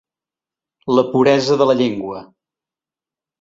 La puresa de la llengua.